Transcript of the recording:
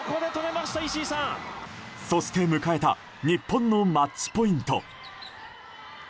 そして迎えた日本のマッチポイント。